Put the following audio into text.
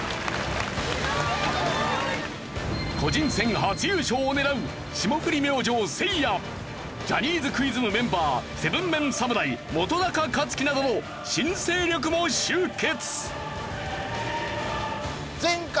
個人戦初優勝を狙う霜降り明星せいやジャニーズクイズ部メンバー７ＭＥＮ侍本克樹などの新勢力も集結。